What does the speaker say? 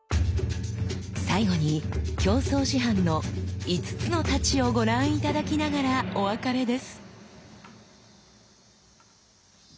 最後に京増師範の五津之太刀をご覧頂きながらお別れです。